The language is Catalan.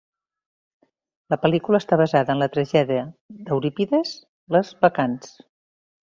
La pel·lícula està basada en la tragèdia d'Eurípides, Les Bacants.